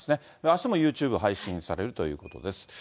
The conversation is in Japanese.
あすもユーチューブ配信されるということです。